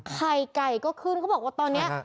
ไข่ไก่ก็ขึ้นเขาบอกว่าตอนนี้